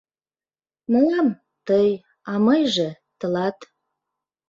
Мылам — тый, а мыйже — тылат.